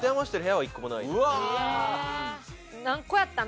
何個やったん？